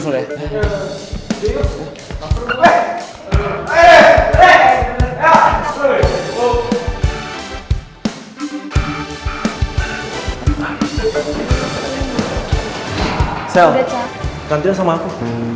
sel gantian sama aku